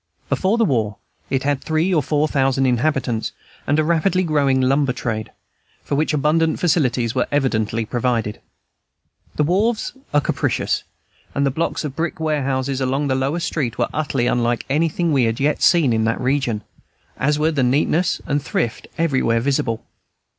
Before the war it had three or four thousand inhabitants, and a rapidly growing lumber trade, for which abundant facilities were evidently provided. The wharves were capacious, and the blocks of brick warehouses along the lower street were utterly unlike anything we had yet seen in that region, as were the neatness and thrift everywhere visible.